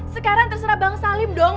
sekarang terserah bang salim dong